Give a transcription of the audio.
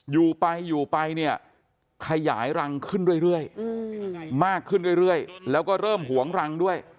อยู่ไปอยู่ไปเนี่ยขยายรังขึ้นเรื่อยมากขึ้นเรื่อยแล้วก็เริ่มหวงรังด้วย